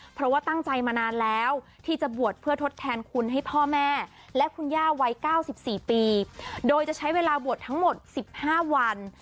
เพราะว่าตั้งใจมานานแล้วที่จะบวชเพื่อทดแทนคุณให้พ่อแม่และคุณย่าวัย๙๔ปีโดยจะใช้เวลาบวชทั้งหมด๑๕วัน